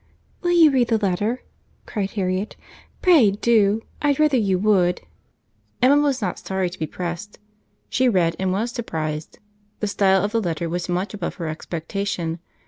"Will you read the letter?" cried Harriet. "Pray do. II'd rather you would." Emma was not sorry to be pressed. She read, and was surprized. The style of the letter was much above her expectation.